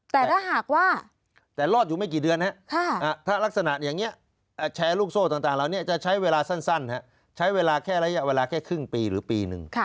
แต่ถ้าหากว่าแต่รอดอยู่ไม่กี่เดือนถ้ารักษณะอย่างนี้แชร์ลูกโซ่ต่างเหล่านี้จะใช้เวลาสั้นใช้เวลาแค่ระยะเวลาแค่ครึ่งปีหรือปีหนึ่ง